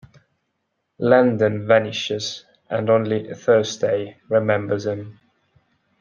Landen vanishes, and only Thursday remembers him.